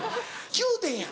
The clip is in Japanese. ９点や！